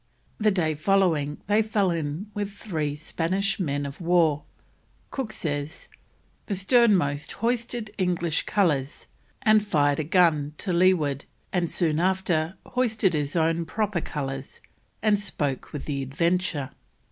The day following they fell in with three Spanish men o' war; Cook says: "The sternmost hoisted English colours and fired a gun to leeward, and soon after hoisted his own proper colours, and spoke with the Adventure."